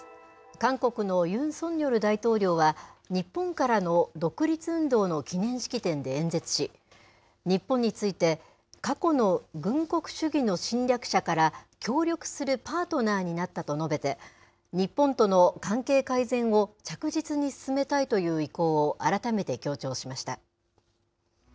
韓国のユン・ソンニョル大統領は、日本からの独立運動の記念式典で演説し、日本について、過去の軍国主義の侵略者から協力するパートナーになったと述べて、日本との関係改善を着実に進めたいという意向を改めて強調しました。